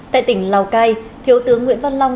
tại tỉnh lào cai thiếu tướng nguyễn văn long